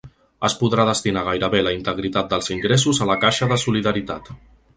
Es podrà destinar gairebé la integritat dels ingressos a la caixa de solidaritat.